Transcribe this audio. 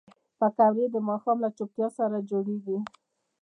پکورې د ماښام له چوپتیا سره جوړېږي